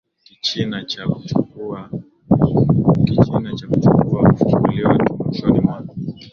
Kichina cha kuchukua hufunguliwa tu mwishoni mwa